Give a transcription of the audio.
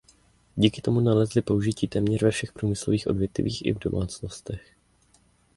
Díky tomu nalezly použití téměř ve všech průmyslových odvětvích i v domácnostech.